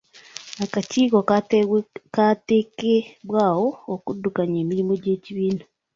Akakiiko katekebwawo okudukanya emirimu gy'ekibiina.